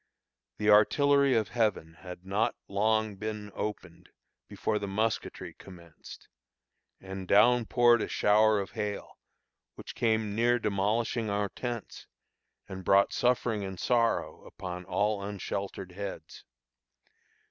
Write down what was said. The artillery of Heaven had not long been opened before the musketry commenced, and down poured a shower of hail, which came near demolishing our tents, and brought suffering and sorrow upon all unsheltered heads.